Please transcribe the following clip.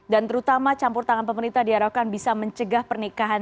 dan terutama campur tangan pemerintah diarakan bisa mencegah pernikahan